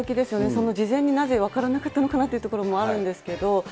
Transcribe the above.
その事前になぜ分からなかったのかなということもあるんですけれども。